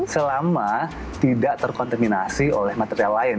selama tidak terkontaminasi oleh material lain